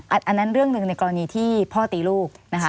อันนั้นเรื่องหนึ่งในกรณีที่พ่อตีลูกนะคะ